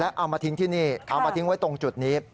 เอามาทิ้งที่นี่เอามาทิ้งไว้ตรงจุดนี้